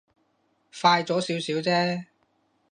快咗少少啫